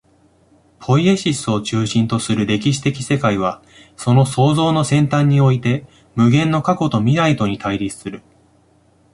ポイエシスを中心とする歴史的世界は、その創造の尖端において、無限の過去と未来とに対立する。